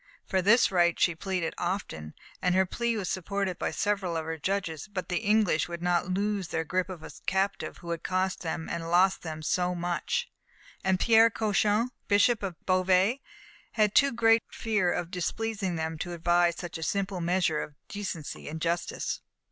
For this right she pleaded often, and her plea was supported by several of her judges. But the English would not lose their grip of a captive who had cost them and lost them so much, and Pierre Cauchon, Bishop of Beauvais, had too great fear of displeasing them to advise such a simple measure of decency and justice.